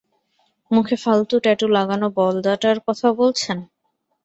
মুখে ফালতু ট্যাটু লাগানো বলদাটার কথা বলছেন?